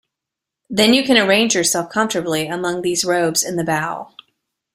Then you can arrange yourself comfortably among these robes in the bow.